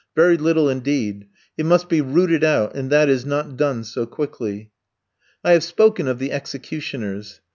Very little indeed! It must be rooted out, and that is not done so quickly. I have spoken of the executioners.